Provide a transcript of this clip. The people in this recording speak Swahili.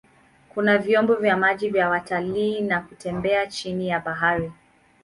Kuna vyombo vya maji vya watalii na kutembea chini ya bahari.